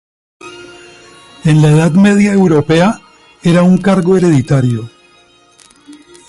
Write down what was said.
En la edad media europea era un cargo hereditario.